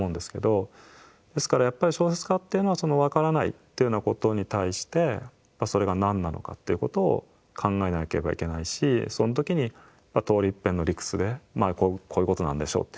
ですからやっぱり小説家っていうのはわからないっていうようなことに対してそれが何なのかっていうことを考えなければいけないしその時に通りいっぺんの理屈でこういうことなんでしょうって